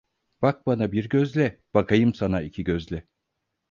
Bak bana bir gözle, bakayım sana iki gözle.